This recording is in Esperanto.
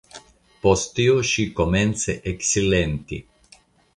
Post tio ŝi komence eksilenti.